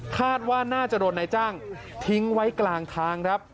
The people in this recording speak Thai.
คาดว่าน่าจะโดนนายจ้างทิ้งไว้กลางทางครับ